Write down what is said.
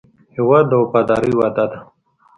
هېواد د وفادارۍ وعده ده.